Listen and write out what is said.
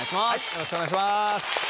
よろしくお願いします。